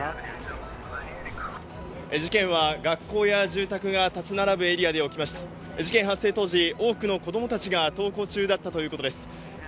事件は学校や住宅が立ち並ぶエリアで起きました事件発生当時、多くの子供たちが登校中だったということです。